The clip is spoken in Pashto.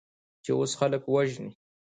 چې اوس خلک وژنې؟